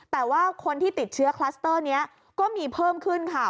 แต่ว่าคนที่ติดเชื้อคลัสเตอร์นี้ก็มีเพิ่มขึ้นค่ะ